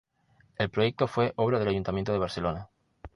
El proyecto fue obra del Ayuntamiento de Barcelona.